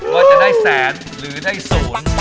ว่าจะได้แสนหรือได้ศูนย์